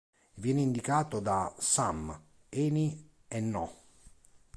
Viene indicato da "some", "any" e "no".